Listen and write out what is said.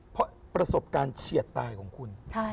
เพราะประสบการณ์เฉียดตายของคุณ